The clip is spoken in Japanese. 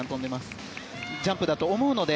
そういうジャンプだと思うので。